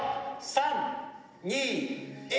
３・２・１。